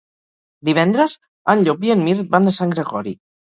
Divendres en Llop i en Mirt van a Sant Gregori.